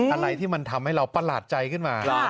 อะไรที่มันทำให้เราประหลาดใจขึ้นมา